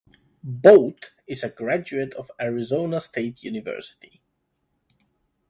Boat is a graduate of Arizona State University.